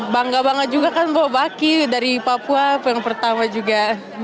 bangga banget juga kan bawa baki dari papua yang pertama juga